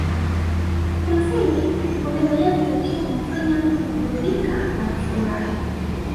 Kimsingi kutembelea vivutio humfanya mtu kuburudika na kufurahi